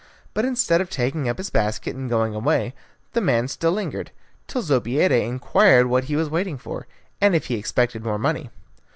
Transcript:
But instead of taking up his basket and going away, the man still lingered, till Zobeida inquired what he was waiting for, and if he expected more money.